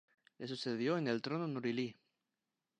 Le sucedió en el trono Nur-ili.